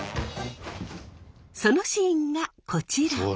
そのシーンがこちら。